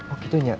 oh gitu ya